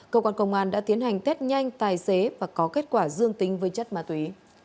cơ quan công an đã tiến hành test nhanh tài xế và có kết quả dương tính với chất ma túy